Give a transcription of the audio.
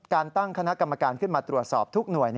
การตั้งคณะกรรมการขึ้นมาตรวจสอบทุกหน่วย